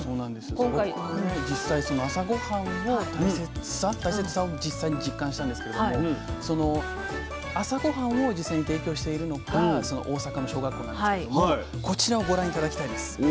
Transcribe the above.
僕もね実際その朝ごはんの大切さを実際に実感したんですけれどもその朝ごはんを実際に提供しているのが大阪の小学校なんですけれどもこちらをご覧頂きたいんです。